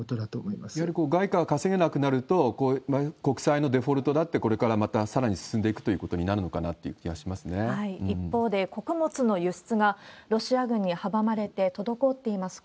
いわゆる外貨を稼げなくなると、国債のデフォルトだって、これからまたさらに進んでいくということになるのかなという気は一方で、穀物の輸出がロシア軍に阻まれて、滞っています。